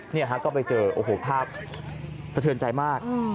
เนี่ยฮะก็ไปเจอโอ้โหภาพสะเทือนใจมาก